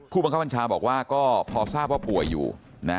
บังคับบัญชาบอกว่าก็พอทราบว่าป่วยอยู่นะ